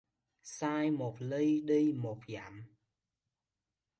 Sai một li đi một dặm